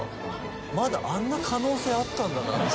泙あんな可能性あったんだなって。